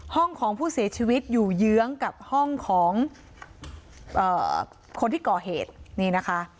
ของผู้เสียชีวิตอยู่เยื้องกับห้องของคนที่ก่อเหตุนี่นะคะ